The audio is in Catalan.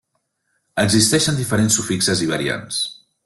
Existeixen diferents sufixes i variants.